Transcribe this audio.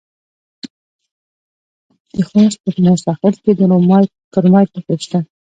د خوست په موسی خیل کې د کرومایټ نښې شته.